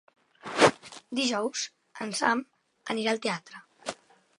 Dijous en Sam anirà al teatre.